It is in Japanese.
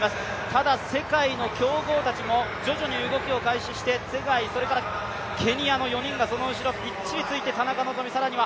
ただ、世界の強豪たちも徐々に動きを開始してツェガイ、それからケニアの選手、田中希実がぴったりとついている。